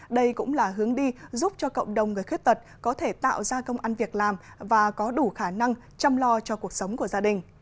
đây cũng là hướng đi giúp cho cộng đồng người khuyết tật có thể tạo ra công ăn việc làm và có đủ khả năng chăm lo cho cuộc sống của gia đình